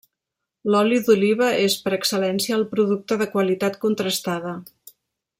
L'oli d'oliva és, per excel·lència, el producte de qualitat contrastada.